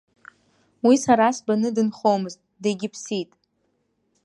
Уи сара сбаны дынхомызт, дегьыԥсит.